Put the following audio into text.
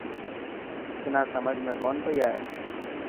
تنان سمجهه ۾ ڪون پئي آڻي.